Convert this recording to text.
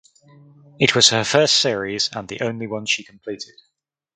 It was her first series and the only one she completed.